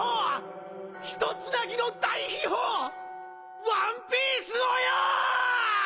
ひとつなぎの大秘宝ワンピースをよぉ！！